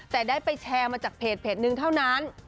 แต่ได้ไปแชร์มาจากเพจนึงเท่านั้น